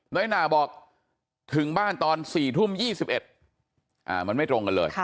น้อยนาบอกถึงบ้านตอนสี่ทุ่มยี่สิบเอ็ดอ่ามันไม่ตรงกันเลยค่ะ